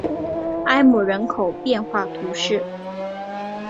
埃姆人口变化图示